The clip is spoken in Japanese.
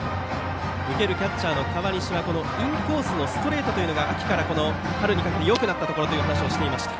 受けるキャッチャー河西はインコースのストレートが秋から春にかけてよくなったところと話していました。